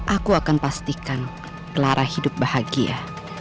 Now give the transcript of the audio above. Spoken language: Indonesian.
aku akan pastikan clara hidup bahagia